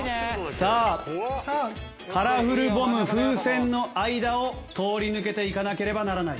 さあカラフルボム風船の間を通り抜けていかなければならない。